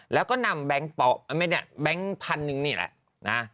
แล้วก็นำแบงค์อ่าไม่เนี้ยแบงค์พันหนึ่งนี่แหละนะฮะ